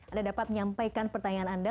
anda dapat menyampaikan pertanyaan anda